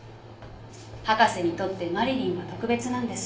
博士にとってマリリンは特別なんです。